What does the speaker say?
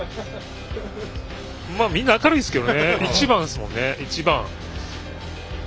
みんな明るいですけどね一番ですよね。